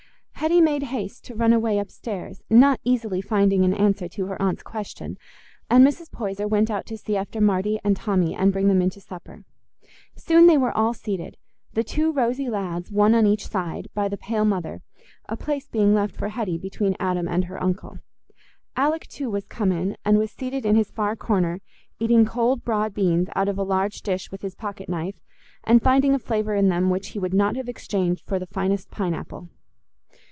Hetty made haste to run away upstairs, not easily finding an answer to her aunt's question, and Mrs. Poyser went out to see after Marty and Tommy and bring them in to supper. Soon they were all seated—the two rosy lads, one on each side, by the pale mother, a place being left for Hetty between Adam and her uncle. Alick too was come in, and was seated in his far corner, eating cold broad beans out of a large dish with his pocket knife, and finding a flavour in them which he would not have exchanged for the finest pineapple.